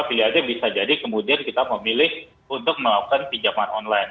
pilihannya bisa jadi kemudian kita memilih untuk melakukan pinjaman online